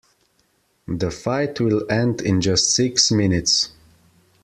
The fight will end in just six minutes.